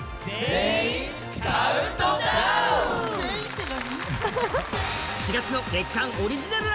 全員って何？